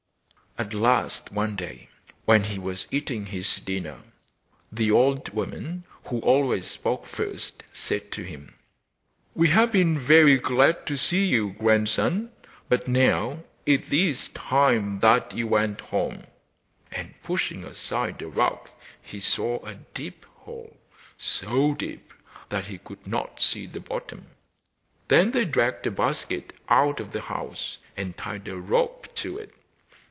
At last, one day, when he was eating his dinner, the old woman who always spoke first, said to him: 'We have been very glad to see you, grandson, but now it is time that you went home.' And pushing aside a rock, he saw a deep hole, so deep that he could not see to the bottom. Then they dragged a basket out of the house, and tied a rope to it.